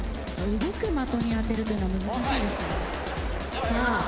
動く的に当てるというのは難しいですからね。